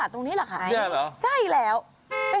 ถึงแล้วครับ